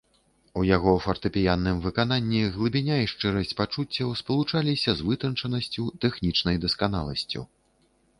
У яго фартэпіянным выкананні глыбіня і шчырасць пачуццяў спалучаліся з вытанчанасцю, тэхнічнай дасканаласцю.